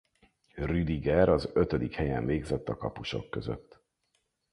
Rüdiger az ötödik helyen végzett a kapusok között.